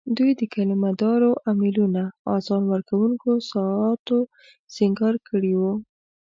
دوی د کلیمه دارو امېلونو، اذان ورکوونکو ساعتو سینګار کړي وو.